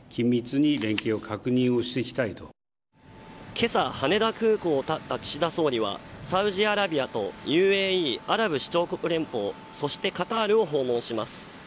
けさ羽田空港をたった岸田総理はサウジアラビアとＵＡＥ、アラブ首長国連邦そしてカタールを訪問します。